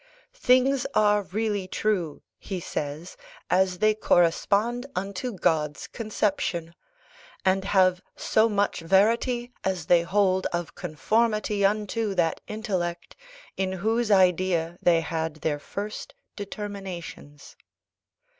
"Things are really true," he says, "as they correspond unto God's conception; and have so much verity as they hold of conformity unto that intellect, in whose idea they had their first determinations."